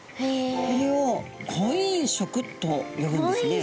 これを婚姻色と呼ぶんですね。